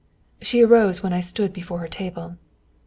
She arose when I stood before her table.